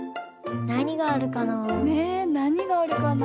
なにがあるかな？